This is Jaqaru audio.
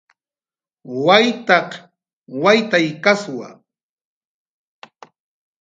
Waytaq waytaykaswa